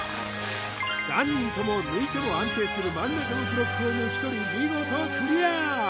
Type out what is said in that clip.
３人とも抜いても安定する真ん中のブロックを抜き取り見事クリア！